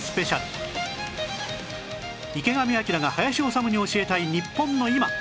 池上彰が林修に教えたい日本の今